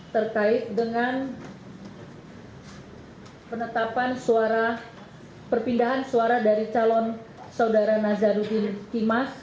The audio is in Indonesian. terkait dengan penetapan perpindahan suara dari calon saudara nazaruddin kimas